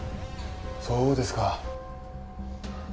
そうですか。